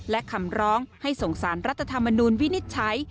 และคำร้องให้ส่งสารรัฐธรรมนูลวินิจฉัย